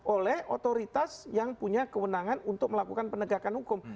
oleh otoritas yang punya kewenangan untuk melakukan penegakan hukum